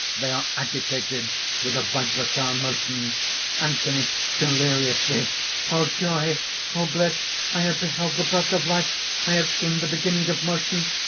They are agitated with a vibratile motion_): ANTHONY (deliriously): "O joy! O bliss! I have beheld the birth of life! I have seen the beginning of motion!